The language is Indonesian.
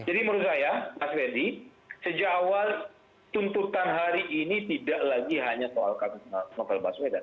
jadi menurut saya mas reddy sejak awal tuntutan hari ini tidak lagi hanya soal kasus novel baswedan